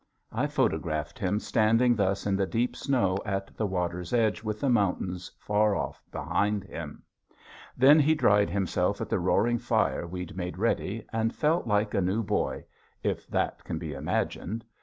I photographed him standing thus in the deep snow at the water's edge with the mountains far off behind him. Then he dried himself at the roaring fire we'd made ready and felt like a new boy if that can be imagined.